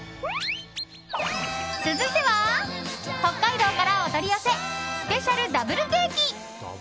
続いては、北海道からお取り寄せスペシャルダブルケーキ。